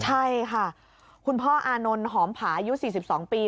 ใช่ค่ะคุณพ่ออานนท์หอมผาอายุ๔๒ปี